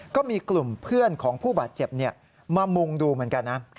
ก็มีกลุ่มเพื่อนของผู้บาดเจ็บมามุงดูเหมือนกันนะ